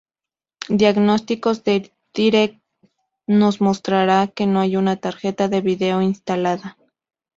Diagnósticos de DirectX nos mostrará que no hay una tarjeta de vídeo instalada.